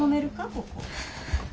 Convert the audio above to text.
ここ。